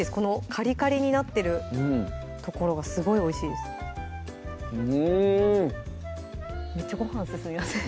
カリカリになってる所がすごいおいしいですうんめっちゃごはん進みますね